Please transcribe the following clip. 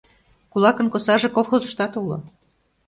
Кулакын косаже колхозыштат уло.